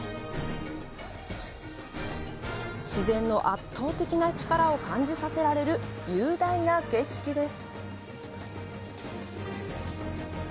自然の圧倒的な力を感じさせられる雄大な景色です。